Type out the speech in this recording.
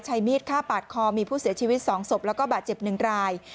ใช้มีดฆ่าปาดคอมีผู้เสียชีวิต๒ศพแล้วก็บาดเจ็บ๑ราย